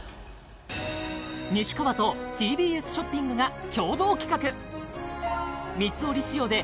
西川とＴＢＳショッピングが共同企画